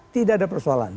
tidak ada persoalan